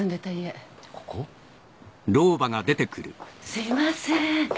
すいません。